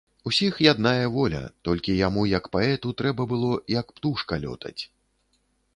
Усіх яднае воля, толькі яму як паэту трэба было, як птушка, лётаць.